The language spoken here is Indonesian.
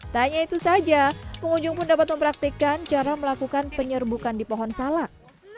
tanya itu saja pengunjung pun dapat mempraktikan cara melakukan penyerbukan di pohon salak